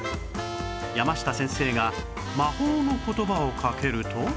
やました先生が魔法の言葉をかけると